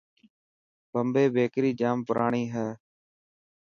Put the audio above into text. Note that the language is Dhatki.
بمبي بيڪر جام پراڻي هي.